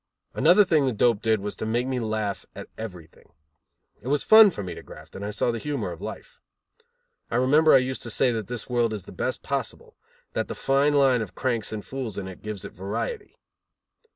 Another thing the dope did was to make me laugh at everything. It was fun for me to graft, and I saw the humor of life. I remember I used to say that this world is the best possible; that the fine line of cranks and fools in it gives it variety.